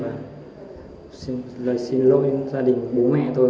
và lời xin lỗi đến gia đình bố mẹ tôi